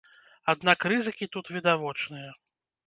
Аднак рызыкі тут відавочныя.